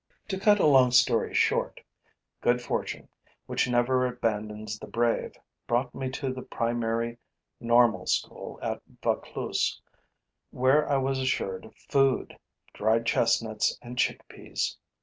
To cut a long story short: good fortune, which never abandons the brave, brought me to the primary normal school at Vaucluse where I was assured food: dried chestnuts and chickpeas.